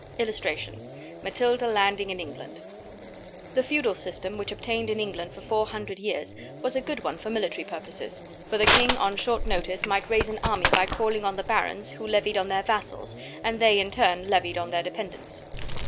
[Illustration: MATILDA LANDING IN ENGLAND.] The Feudal System, which obtained in England for four hundred years, was a good one for military purposes, for the king on short notice might raise an army by calling on the barons, who levied on their vassals, and they in turn levied on their dependants.